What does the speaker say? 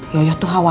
yoyok tuh hampir